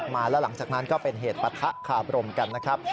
มาแล้วหลังจากนั้นก็เป็นเหตุปะทะคาบรมกันนะครับ